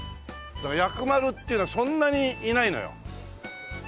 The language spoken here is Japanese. だから薬丸っていうのはそんなにいないのよ。